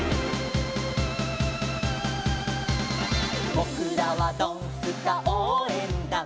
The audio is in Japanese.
「ぼくらはドンスカおうえんだん」